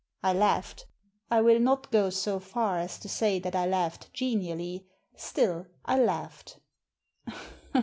I laughed. I will not go so far as to say that I laughed genially; still, I laughed.